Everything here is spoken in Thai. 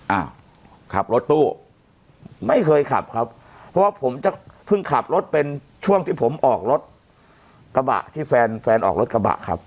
อ้าวขับรถตู้ไม่เคยขับครับเพราะว่าผมจะเพิ่งขับรถเป็นช่วงที่ผมออกรถกระบะที่แฟนแฟนออกรถกระบะครับ